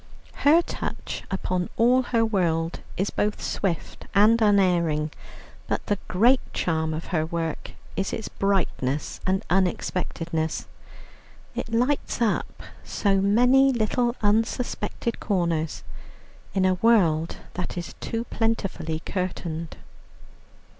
Her touch upon all her world is both swift and unerring; but the great charm of her work is its brightness and unexpectedness; it lights up so many little unsuspected corners in a world that is too plentifully curtained.